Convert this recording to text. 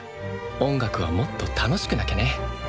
音楽はもっと楽しくなきゃね。